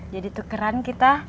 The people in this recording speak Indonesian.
jadi tukeran kita